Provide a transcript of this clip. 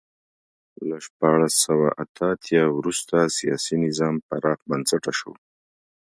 له شپاړس سوه اته اتیا وروسته سیاسي نظام پراخ بنسټه شو.